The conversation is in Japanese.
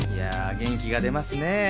元気が出ますね。